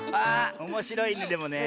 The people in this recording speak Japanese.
おもしろいねでもねえ。